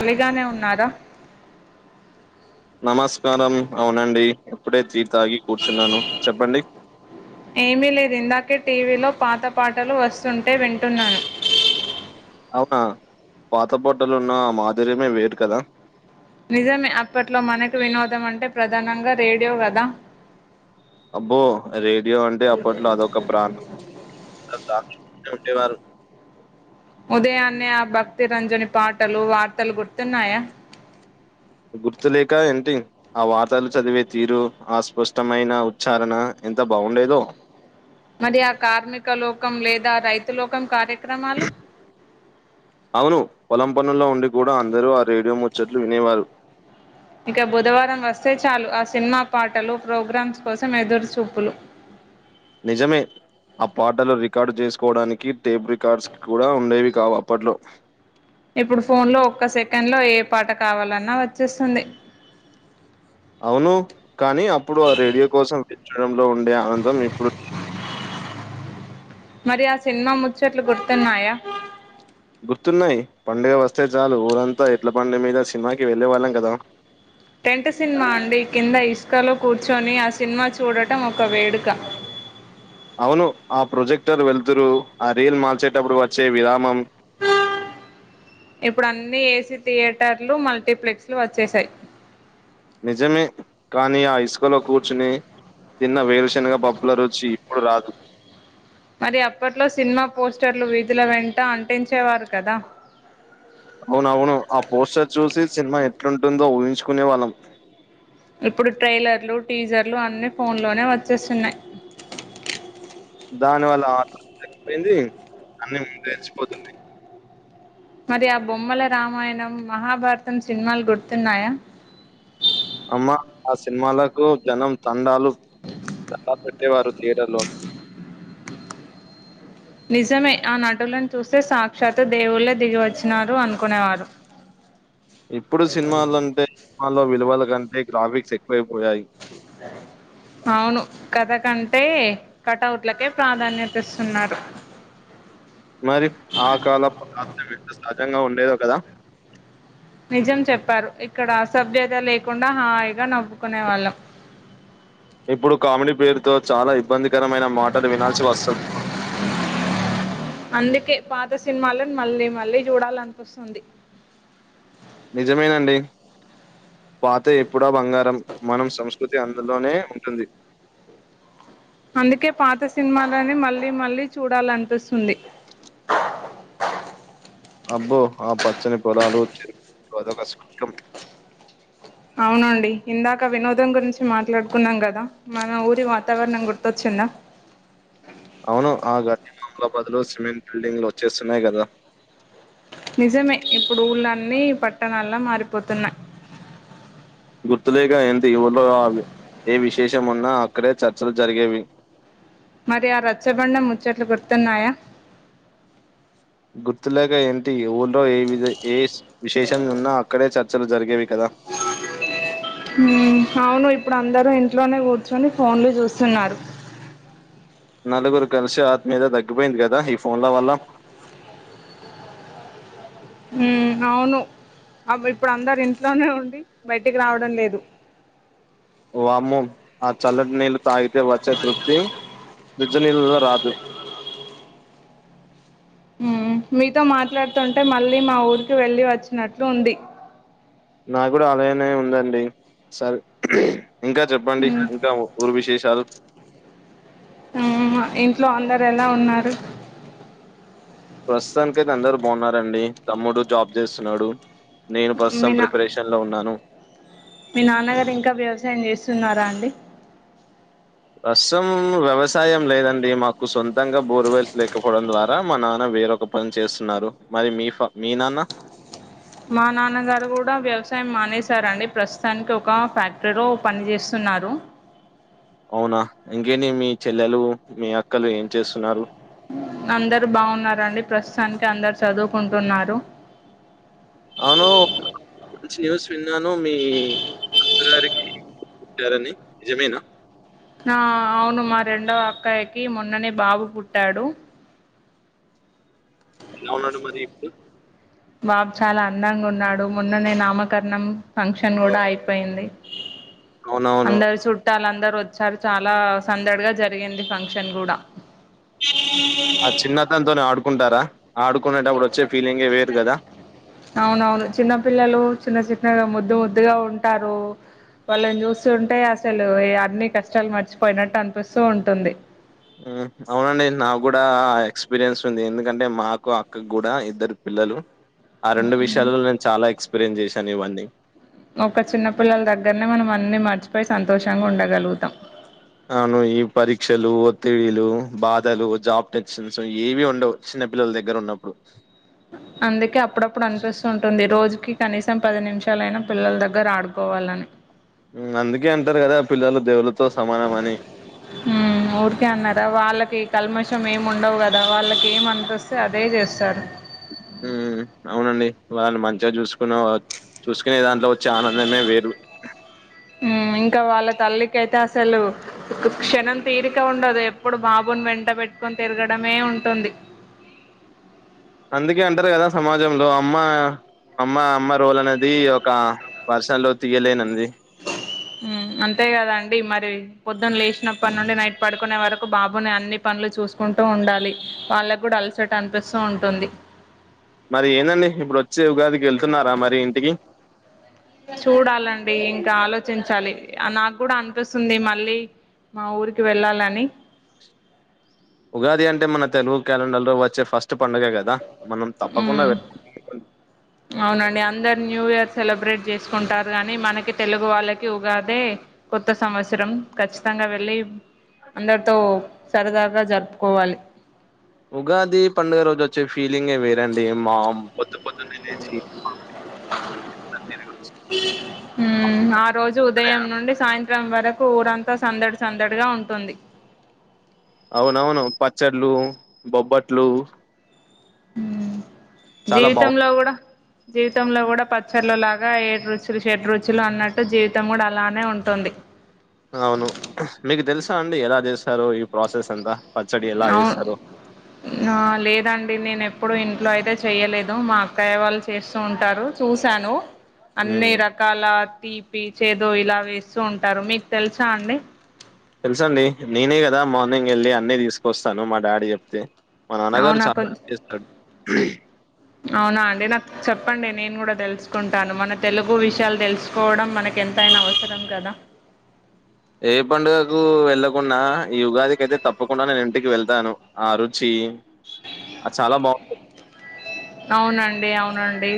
ఫ్రీగానే ఉన్నారా నమస్కారం ఔనండి ఎప్పుడే జి తాగి కూర్చున్నాను చెప్పండి. ఏమీ లేదు ఇందాకే టీవీలో పాత పాటలు వస్సుంటే వింటున్నాను. ఔనా, పాత పాటలున్న మాధుర్యమే వేరు కదా. నిజమె అప్పట్లో మనకు వినోదం అంటే ప్రధానంగా రేడియో వదా. అబ్బో రేడియో అంటే అప్పట్లో అదొక ప్రాణంగ దాచుకునే వారు ఉదయాన్నే ఆ భక్తి రంజని పాటలు వార్తలు గుర్తున్నాయా గుర్తులేక ఏంటి ఆ వార్తలు చదివే తీరు ఆ స్పష్టమైన ఉచ్చారణ ఎంత బావుండేదో మరి ఆ కార్మిక లోకం లేదా రైతు లోకం కార అవును కొలం పనులో ఉండి కూడా అందరూ ఆ రేడియో ముచ్చట్లు వినేవారు ఇక బుధవారం వస్తే చాలు ఆ సినిమా పాటలు ప్రోగ్రామ్స్ కోసం ఎదురు చూపులు నిజమే ఆ పాటలు రికార్డు చేసుకోవడానికి టేప్ రికార్డ్స్ కూడా ఉండేవి కావు అప్పట్లో ఇప్పుడు ఫోన్ లో ఒక్క సెకండ్ లో ఏ పాట కావాలన్నా వచ్చేస్తుంది అవును కానీ అప్పుడు ఆ రేడియో కోసం విచారంలో ఉండే ఆనందం ఇప్పుడు మరి ఆ సినిమా ముచ్చట్లు గుర్తున్నాయా గుర్తున్నాయి మండే వస్త అే చాలు ఊరంతా ఎట్లా బండి మీద సినిమాకి వెళ్లేే వాళ్ళం కదా టెంట్ సినిమా అండి కింద ఇష్టం క్కలు కూర్చొని ఆ సినిమా చూడటం ఒక వేడుక అవును ఆ ప్రొజెక్టర్ వెళతురు ఆ రీల్ మార్ల్చేటప్పుడు వచ్చే విరామం ఇప్పుడు అన్నిీ ఏసీ థియేటర్లు మల్టీప్లెక్స్ లు వచ్చేసాయి నిజమే కానియి అ ఇసుకలో కూర్చుని తిన్న వేరుశనగ పప్పుల రుచి మప్పుడు రాదు మరి అప్పట్లో సినిమా పోస్టర్లు వీధుల వెంట అంటించేవారు కదా అవునవును ఆ పోస్టర్ చూసి సినిమా ఎట్లుంటుందో ఊహించుకునే వాళ్ళం ఇప్పుడు ట్రైలర్లు టీజర్లు అన్నిీ ఫోన్లోనే వచ్చేస్తున్నాయి దాని వల్ల ఆ తపోయింది అన్నిీ ము నేలిచిపోతుంది మరి ఆ బొమ్మల రామాయణం మహాభారతం సినిమాలు గుర్తున్నాయా అమ్మ ఆ సినిమాలకు జనం తండాలు తడా పెట్టేవారు థియేటర్ లో నిజమే ఆ నటులను చూస్తే సాక్షాత్ దేవుళ్లే దిగి వచ్చినారు అనుకునేవారు ఇప్పుడు సినిమాలు అంటే విలువల కంటే గ్రాఫిక్స్క్కువ ఆవును కథ కంటే కటౌట్లకే ప్రాధాన్యత ఇస్తున్నారు మరి ఆ కాల ప కష్టంగా ఉండేదో కదా నిజం చెప్పారు ఇక్కడ అసభ్యత లేకుండా హాయిగా నవ్వుకునే వాళ్ళం ఇప్పుడు కామెడీ పేరుతో చాలా ఇబ్బంది రమైన మాటలు వినాల్సి వస్తుంది అందుకే పాత సినిమాలను మళ్ళీ మళ్ళీ చూడాలనిపిస్తుంది నిజమేనండి పాతే ఎప్పుడో బంగారం మనం సంస్కృతి అ తుల్లోనే ఉంటుంది అందుకే పాత సినిమాలని మళ్ళీ మళ్ళీ చూడాలన్పిస్తుంది అబ్బో ఆ పచ్చని పొలాలు [inaudible] అదొక స్వర్గం అవునండి ఇందాక వినోదం గురించి మాట్లాడుకున్నాం కదా మన ఊరి వాతావరణం గుర్తొచ్చిందా అవును ఆ [inaudible] బదులు సిమెంట్ బిల్డింగ్లు వచ్చేస్తున్నాయి కదా నిజమే ఇప్పుడు ఊళ్ళన్నీ పట్టణాల్లా మారిపోతున్నా గుర్తులేక ఏంతిగ ఆ ఊర్లో ఏ విశేషం ఉన్నా అక్కడే చర్చలు జరిగేవి మరి ఆ రచ్చబండ ముచ్చట్లు గుర్తున్నాయా గుర్తులేక ఏంటి యవున్ టో ఏ విది ఏ విశేషం ఉన్నా అక్కడే చర్ చ్చలు జరిగేవి కదా ఊ అవును ఇప్పుడు అందరూ ఇంట్లోనే కూర్చుని ఫోన్లు చూస్తున్నారు నలుగురు కలిసి ఆత్మీయత తగ్గిపోయింది కదా ఈ ఫోన్ల వల్ల హూ అవును ఇప్పుడు అందరూ ఇంట్లోనే ఉండి బయటికి రావడం లేదు వామ్మో ఆ చల్లటి నీళ్ళు తాగితే వచ్చే తృప్తి జు నీళ్ళలో రాదు ఊ మీతో మాట్లాడుతుంటే మళ్ళీ మా ఊరికి వెళ్ళి వచ్చినట్లు ఉంది నాక్కూడా అలానే ఉందండి సరి ఇంకా చెప్పండి హ్మ్ ఇంకా ఊరు విశేషాలు ఆ ఇంట్లో అందరు ఎలా ఉన్నారు ప్రస్తుతానిక అైతే అందరుూ బాన్నారండి తమ్ముడు జాబ్ చేస్తున్నాడు నేను మీ ప్రస్తుతం నా ప్రిపరేషన్ లో ఉన్నాను మీ నాన్నగారు ఇంకా వ్యవసాయం చేస్తున్నారా అండి ప్రస్తుతం వ్యవసాయం లేదండి మాకు సొంతంగా బోర్వెల్స్ లేకపోవడం ద్వారా మా నాన్న వేరొక పని చేస్తున్నారు మరి మీ ఫ మీ నాన్న మా నాన్నగారు కూడా వ్యవసాయం మానేశారండి, ప్రస్తుతానికి ఒక ఫ్యాక్టరీలో పని చేస్తున్నారు. అవునా ఇంకేని మీ చెల్లెలు మీ అక్కలు ఏం చేస్తున్నారు అందరు బాగున్నారండి ప్రస్తుతానికి అందరు చదువుకుంటున్నారు అవును మంచి న్యూస్ విన్నాను మీ అత్త గారికిచ్చారని నిజమేనా ఆ అవును మా రెండో అక్కాయికి మొన్ననే బాబు పుట్టాడు వుణడు మధ ఇప్పు బాబు చాలా అందంగా ఉన్నాడు మొన్ననే నామకరణం ఫంక్షన్ కూడా అయిపోయింది అవునవును. అందరు చుట్టాల అందరు వచ్చారు చాలా సందడిగా జరిగింది ఫంక్షన్ కూడా ఆ చిన్నతనంతోనే ఆడుకుంటారా ఆడుకునేటప్పుడు వచ్చే ఫీలింగే వేరు కదా అవునవును చిన్న పిల్లలు చిన్న చిన్నగా ముద్దు ముద్దుగా ఉంటారు, వాళ్ళని చూస్తు ఉంటే అసలు అన్ని కష్టాలు మర్చిపోయినట్టు అనిపిస్తూ ఉంటుంది. మ్ అవునండి నాగూడా ఎక్స్పీరియన్స్ ంది ఎందుకంటే మాకు అక్కకు కూడా ఇద్దరు పిల్లలు ఆ రెండు విషయాలలో నేన్ చాలాక్స్ ఎక్స్పీయన్ చేసా ఇవన్నీ ఒక చిన్న పిల్లల దగ్గరనే మనం అన్ని మర్చిపోయి సంతోషంగా ఉండగలుగుతాం అవును ఈ పరీక్షలు ఒత్తిడిలు బాధలు జాబ్ టెన్షన్స్ ఏవి ఉండవు చిన్న పిల్లల దగ్గర ఉన్నప్పుడు అందుకే అప్పుడప్పుడు అనిపిస్తుంటుంది రోజు కనీసం పది నిమిషాలయినా పిల్లల దగ్గర ఆడుకోవాలని అందుకే అంటారు కదా పిల్లలు దేవులుతో సమానమాని మ్మ్ ఊరికే అన్నారా వాళ్ళకి కల్మషం ఏమి ఉండవు కదా వాళ్ళకి ఏం అనిపిస్తే అదే చేస్తారు ఉ అవునండి వాళ్ళని మంచిగా చూసుకున్న చూసుకునే దాంట్లో వచ్చే ఆనందమే వేరు ఇంకా వాళ్ళ తల్లికైతే అసలు క్షణం తీరిక ఉండదు ఎప్పుడు బాబుని వెంట పెట్టుకొని తిరగడమే ఉంటుంది అందుకే అంటారు కదా సమాజంలో అమ్మ అమ్మ అమ్మ రోల్ అనేది ఒక వర్షన్ లో తీయలేనంది అంతే కదండి మరి పొద్దున లేచినప్పటి నుండి నైట్ పడుకునే వరకు బాబుని అన్ని పనులు చూసుకుంటూ ఉండాలి వాళ్ళకు కూడా అలసట అనిపిస్తూ ఉంటుంది మరి ఏనండి ఇప్పుడు వచ్చే ఉగాదికి వెళ్తున్నారా మరి ఇంటికి చూడాలండి ఇంకా ఆలోచించాలి నాకు కూడా అనిపిస్తుంది మళ్ళీ మా ఊరికి వెళ్ళాలని ఉగాది అంటే మన తెలుగు క్యాలండర్ లో వచ్చే ఫస్ట్ ఫస్ట్ పండుగ కదా మనం తప్పకుండా మ్మ్ వె అవునండి అందరు న్యూ ఇయర్ సెలబ్రేట్ చేసుకుంటారు కానీ మనకి తెలుగు వాళ్ళకి ఉగాదే కొత్త సంవత్సరం ఖచ్చితంగా వెళ్ళి అందరితో సరదగా జరుపుకోవాలి ఉగాది పండుగ రోజు వచ్చే ఫీలింగే వేరండి మా పొద్దు పొద్దున్న లేచ [inaudible] ఆ రోజు ఉదయం నుండి సాయంత్రం ట్రామ్ వరకు ఊరంతా సందడి సందడిగా ఉంటుంది అవునవును పచ్చళ్ళ బొబ్బట్లు హ చాలా బావుం జీవితంలో కూడా జీవితంలో కూడా పచ్చర్లలాగా ఏడు రుచులు షెడ్ రుచులు అన్నట్టు జీవితం కూడా అలానే ఉంటుంది అవును మీకు తెలుసా అండి ఎలా చేస్తారు ఈ ప్రాసెస్ అంత అవును ఆ లేదండి నేను ఎప్పుడు ఇ ఇట్లా అయితే చెయ్యలేదు మా అక్కయ్య వాళ్ళు చేస్తూ ఉంటారు చూసాను. అన్నీ మ్మ్ రకాల తీపి చేదో ఇలా వేస్తూ ఉంటారు మీకు తెలుసా అండి తెలుస అండి నేనే కదా మార్నింగ్ వెళ్ళి అన్నీ తీసుకొస్తాను మా డాడీ చెప్తే మా నాన్నగారు అవునా చాలా బ కొంచెం చేస్తాడు టే అవునా అండి నాకు చెప్పండి నేను కూడా తెలుసుకుంటాను మన తెలుగు విషయాలు తెలుసుకోవడం మనకు ఎంతయినా అవసరం కదా ఏ పండుగకు వెళ్ళకుండా ఈ ఉగాదికియితే తప్పకుండా నేను ఇంటికి వెళ్తాను ఆ రుచి అ చాలా బాగుంటది అవునండి అవునండి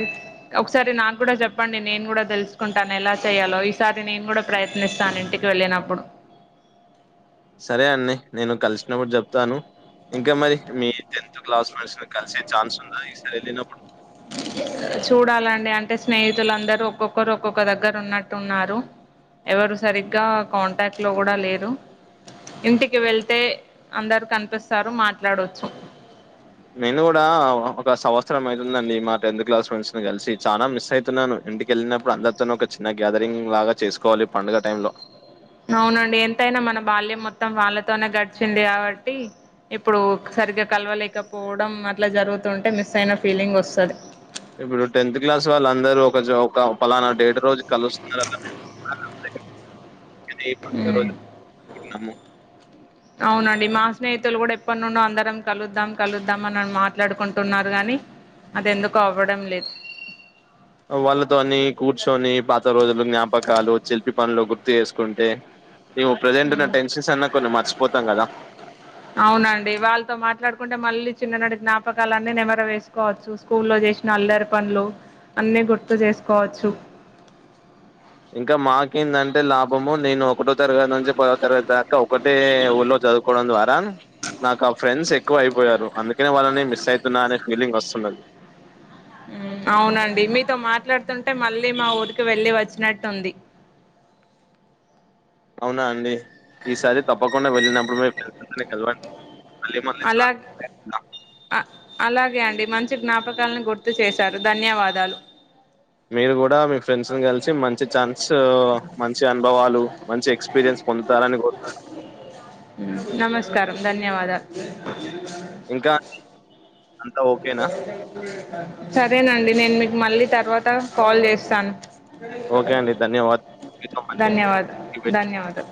ఒకసారి నాకు కూడా చెప్పండి నేను కూడా తెలుసుకుంటాను ఎలా చెయ్యాలో ఈసారి నేను కూడా ప్రయత్నిస్తాను ఇంటికి వెళ్ళినప్పుడు సరే అండి నేను కలిసినప్పుడు చెప్తాను ఇంకా మరి మీ టెన్త్ క్లాస్ మేడ్స్ ని కలిసే ఛాన్స్ ఉందా ఈసారి వెళ్లినప్పుడు చూడాలండి అంటే స్నేహితులుందరూ ఒక్కొక్కరు ఒక్కొక్క దగ్గర ఉన్నట్టున్నారు. ఎవరు సరిగ్గా కాంటాక్ట్ లో కూడా లేరు. ఇంటికి వెళ్తే అందరు కనిపిస్తారు మాట్లాడొచ్చు నేను కూడా ఒక సంవత్సరం అయితుందండి మా టెన్త్ క్లాస్ ఫ్రెండ్స్ ను కలిసి చానా మిస్ అవుతున్నాను ఇంటికెళ్ళినప్పుడు అందరితోనూ ఒక చిన్న గ్యాదరింగ్ లాగా చేసుకోవాలి పండుగ టైం లో అవునండి ఎంతయినా మన బాల్యం మొత్ మొత్తం వాళ్ళతోనే గడిచింది కాబట్టి ఇప్పుడు సరిగ్గా కలవలేకపోవడం అట్లా జరుగుతుంటే మిస్ అయిన ఫీలింగ్ వస్తది. ఇప్పుడు టెన్త్ క్లాస్ వాళ్ళందరూ ఒక ఒక పలానా డేటు రోజు కలుస్తున్నారు అప్పుడే [unintelligible] మ్మ్ రోజు అవునండి మా స్నేహితులు కూడా ఎప్పటి నుండో అందరం కలుద్దాం కలుద్దాం అని మాట్లాడుకుంటున్నారు గానీ అది ఎందుకో అవ్వడం లేదు. వాళ్ళతోని కాదు చిల్పి పనులు గుర్తు చేసుకుంటే మేము ప్రజెంట్ ఉన్న మ్మ్ టెన్షన్స్ అన్నా కొన్ని మర్చిపోతం కదా అవునండి వాళ్ళతో మాట్లాడుకుంటే మళ్ళీ చిన్ననాటి జ్ఞాపకాలన్నీ నెమర వేసుకోవచ్చు స్కూల్లో చేసిన అల్లరి పనులు అన్ని గుర్తు చేసుకోవచ్చు. ఇంకా మాకేంటంటే లాభము నేను ఒకటో తరగతి నుంచి పదో తరగతి దాకా ఒకటే ఊళ్ళో చదువుకోవడం ద్వారా నాకు ఆ ఫ్రెండ్స్ ఏ ఎక్కువ అయిపోయారు అందుకనే వాళ్ళని మిస్ అయితున్నా అనే ఫీలింగ్ వస్తున్నది. అవునండి మీతో మాట్లాడుతుంటే మళ్ళీ మా ఊరికి వెళ్ళి వచ్చినట్టు ఉంది. అవునా అండి ఈసారి తప్పకుండా వెళ్ళినప్పుడు [inaudible] పొద్దునే కలవండి మళ్ళీ మళ్ళీ అలా తినాలి. అదే తిన్నా అ- అలాగే అండి మంచి జ్ఞాపకాలను గుర్తు చేశారు ధన్యవాదాలు. మీరు కూడా మీ ఫ్రెండ్స్ ని కలిసి మంచి ఛాన్స్ మంచి అనుభవా హలో మంచి ఎక్స్పీరియన్స్ పొందుతారని కోరు మ్మ్, నమస్కారం ధన్యవాద ఇంకా అంతా ఓకేనా సరేనండి నేను మీకు మళ్ళీ తర్వాత కాల్ చేస్తాను ఓకే అండి ధన్యవాద ధన్యవాద [unintelligible] ధన్యవాదాలు